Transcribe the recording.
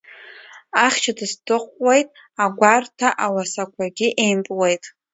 Ахьча дыстыҟуеит, агәарҭа ауасақәагьы еимпуеит.